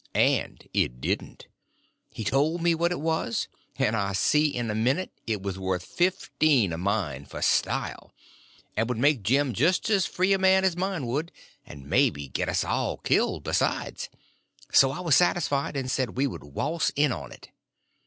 And it didn't. He told me what it was, and I see in a minute it was worth fifteen of mine for style, and would make Jim just as free a man as mine would, and maybe get us all killed besides. So I was satisfied, and said we would waltz in on it.